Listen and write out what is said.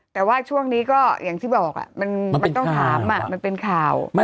แต่ว่าช่วงนี้ก็อย่างที่บอกมันต้องถามมันเป็นข่าว